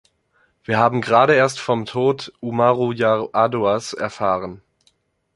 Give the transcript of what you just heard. Wir haben gerade erst vom Tod Umaru Yar'Aduas erfahren.